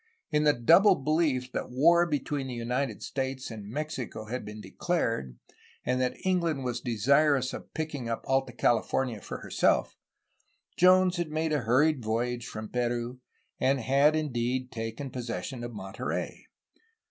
In the double belief that war between the United States and Mexico had been declared and that England was desirous of picking up Alta California for herself, Jones had made a hurried voyage from Peru, and had indeed taken possession of Monterey.